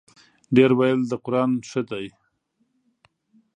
ډېر ویل د قران ښه دی.